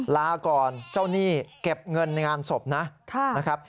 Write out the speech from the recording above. ลาก่อนเจ้าหนี้เก็บเงินในงานศพนะครับ